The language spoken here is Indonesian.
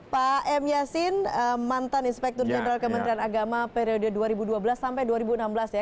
pak m yasin mantan inspektur jenderal kementerian agama periode dua ribu dua belas sampai dua ribu enam belas ya